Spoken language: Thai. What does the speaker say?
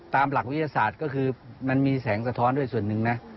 ตามหลักวิทยาศาสตร์ก็คือมันมีแสงสะท้อนด้วยส่วนหนึ่งนะ